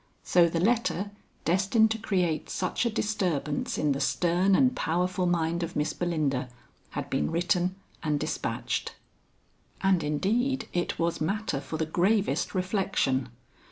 So the letter, destined to create such a disturbance in the stern and powerful mind of Miss Belinda, had been written and dispatched. And indeed it was matter for the gravest reflection.